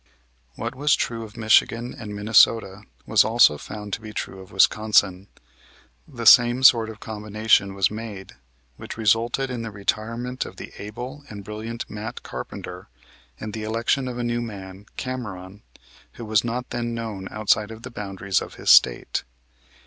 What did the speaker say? What was true of Michigan and Minnesota was also found to be true of Wisconsin. The same sort of combination was made, which resulted in the retirement of the able and brilliant Matt Carpenter, and the election of a new man, Cameron, who was not then known outside of the boundaries of his State.